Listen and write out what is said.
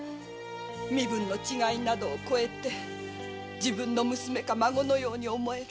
身分の違いなどを越えて自分の娘か孫のように思える。